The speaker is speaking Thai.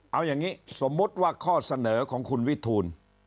เอาอย่างนี้สมมุติว่าข้อเสนอของคุณวิทูล